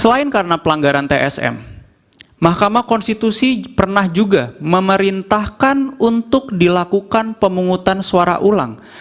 selain karena pelanggaran tsm mahkamah konstitusi pernah juga memerintahkan untuk dilakukan pemungutan suara ulang